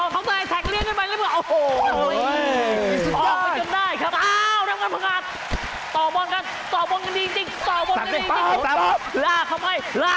คสมานิบอกยังไงก็ไปยอม